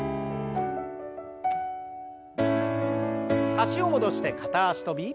脚を戻して片脚跳び。